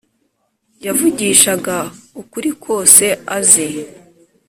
yavugishaga ukuri kose azi